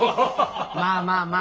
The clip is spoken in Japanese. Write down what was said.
まあまあま